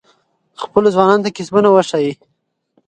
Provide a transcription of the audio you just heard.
خپلو ځوانانو ته کسبونه وښایئ.